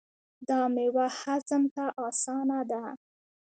دا میوه هضم ته اسانه ده.